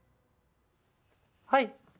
はい。